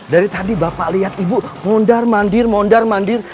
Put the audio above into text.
dari tadi bapak lihat ibu mondar mandir mondar mandir